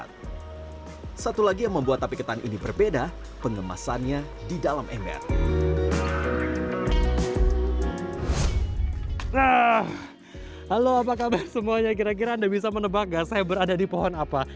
halo apa kabar semuanya kira kira anda bisa menebak gak saya berada di pohon apa